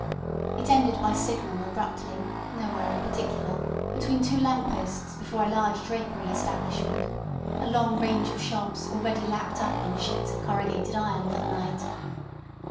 It ended by signal abruptly, nowhere in particular, between two lamp posts before a large drapery establishment—a long range of shops already lapped up in sheets of corrugated iron for the night.